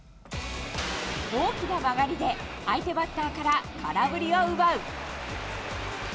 大きな曲がりで相手バッターから空振りを奪う。